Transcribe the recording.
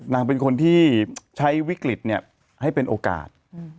นางเป็นคนที่ใช้วิกฤตให้เป็นโอกาส